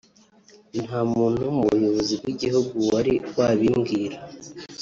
nta muntu wo mu buyobozi bw’igihugu wari wabimbwira”